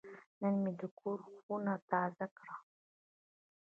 نن مې د کور خونه تازه کړه.